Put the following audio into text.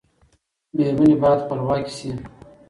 میرمنې باید خپلواکې شي.